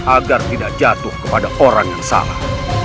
agar tidak jatuh kepada orang yang salah